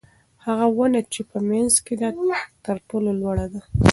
هغه ونه چې په منځ کې ده تر ټولو لوړه ده.